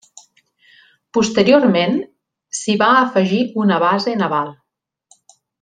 Posteriorment s'hi va afegir una base naval.